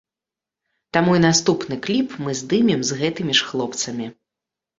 Таму і наступны кліп мы здымем з гэтымі ж хлопцамі.